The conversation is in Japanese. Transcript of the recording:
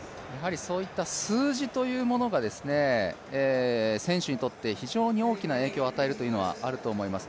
数字というものが選手にとって非常に大きな影響を与えるというのはあると思います。